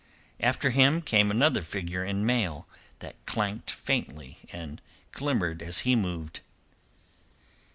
After him came another figure in mail that clanked faintly and glimmered as he moved.